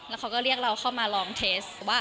แล้วเขาก็เรียกเราเข้ามาลองเทสว่า